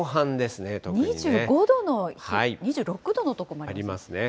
２５度の日、２６度の所もあありますね。